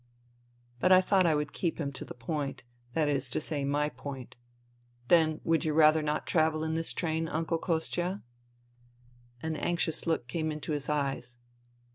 But I thought I would keep him to the point, that is to say, my point. " Then would you rather not travel in this train, Uncle Kostia ?" An anxious look came into his eyes.